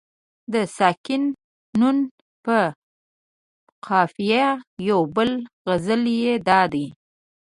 د ساکن نون په قافیه یو بل غزل یې دادی.